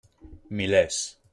Milers.